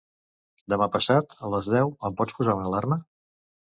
Demà passat a les deu em pots posar una alarma?